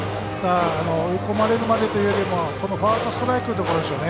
追い込まれるまでというよりもこのファーストストライクのところでしょうね。